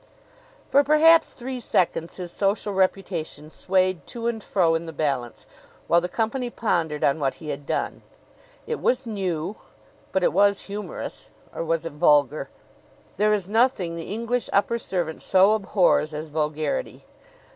For perhaps three seconds his social reputation swayed to and fro in the balance, while the company pondered on what he had done. It was new; but it was humorous or was it vulgar? There is nothing the English upper servant so abhors as vulgarity.